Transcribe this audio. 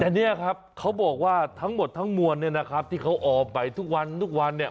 แต่เนี่ยครับเขาบอกว่าทั้งหมดทั้งมวลเนี่ยนะครับที่เขาออกไปทุกวันทุกวันเนี่ย